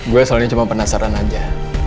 gue soalnya cuma penasaran aja